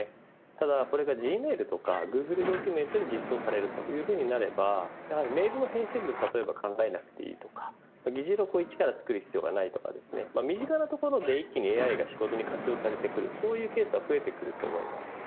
ただこれが、Ｇメールとかグーグルドキュメントに実装されるというふうになればメールの返信文を考えなくていいとか議事録を１から作る必要がないとか身近なところで一気にＡＩが仕事に活用されてくるケースは増えてくると思います。